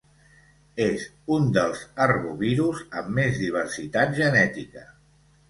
És un dels arbovirus amb més diversitat genètica.